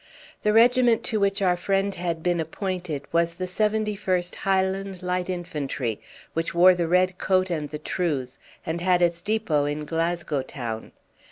The regiment to which our friend had been appointed was the 71st Highland Light Infantry, which wore the red coat and the trews, and had its depot in Glasgow town.